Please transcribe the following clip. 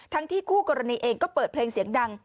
ที่คู่กรณีเองก็เปิดเพลงเสียงดัง